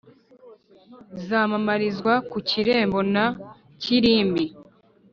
Zamamarizwa ku Kirembo na Kirimbi